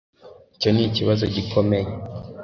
icyo nikibazo gikomeye